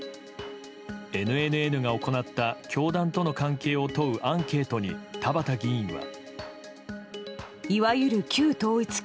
ＮＮＮが行った教団との関係を問うアンケートに田畑議員は。